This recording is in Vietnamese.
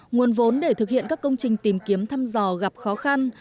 nguồn vốn để thực hiện các công trình tìm kiếm thăm dò gặp khó khăn